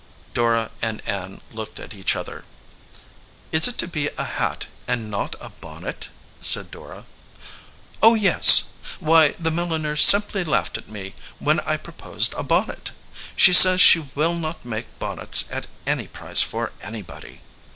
Dora and Ann looked at each other. "Is it to be a hat, and not a bonnet?" said Dora. 85 EDGEWATER PEOPLE "Oh yes. Why, the milliner simply laughed at me when I proposed a bonnet! She says she will not make bonnets at any price for anybody."